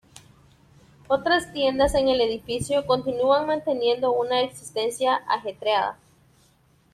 Otras tiendas en el edificio continúan manteniendo una existencia ajetreada.